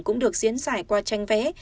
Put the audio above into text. cũng được diễn xài qua tranh vẽ